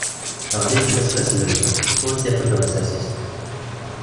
Ɣlin fell-as d aseddrem, ur tt-iḥudd uɛessas-is.